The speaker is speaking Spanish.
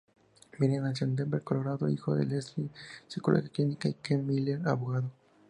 Miller nació en Denver, Colorado, hijo de Leslie, psicóloga clínica, y Kent Miller, abogado.